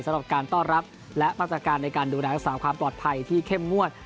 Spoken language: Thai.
สำหรับการต้อนรับและมาจากการดูแลสาวความปลอดภัยที่เข้มมวด